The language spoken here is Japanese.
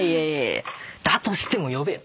だとしても呼べよ！